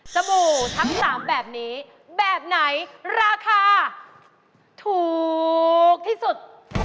บู่ทั้ง๓แบบนี้แบบไหนราคาถูกที่สุด